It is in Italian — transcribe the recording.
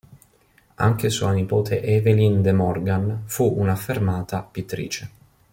Anche sua nipote Evelyn De Morgan fu un'affermata pittrice.